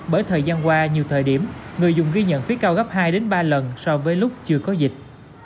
bởi thời gian qua nhiều thời điểm người dùng ghi nhận phí cao gấp hai ba lần so với lúc chưa có dịch